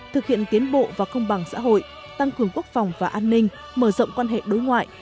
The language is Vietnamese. thực hiện tiến bộ và công bằng xã hội tăng cường quốc phòng và an ninh mở rộng quan hệ đối ngoại